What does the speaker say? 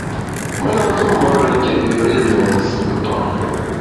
Me na nsuo mbare nké üré te mùt nsù’pam.